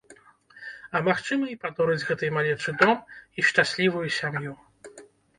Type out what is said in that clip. А магчыма і падорыць гэтай малечы дом і шчаслівую сям'ю.